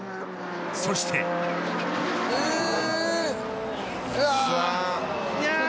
そしてううわっ。